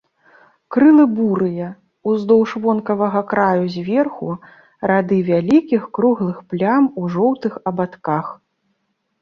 Крылы бурыя, уздоўж вонкавага краю зверху рады вялікіх круглых плям у жоўтых абадках.